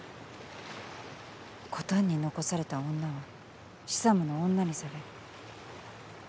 コタンに残された女はシサムの女にされる。